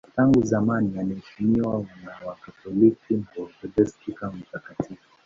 Tangu zamani anaheshimiwa na Wakatoliki na Waorthodoksi kama mtakatifu.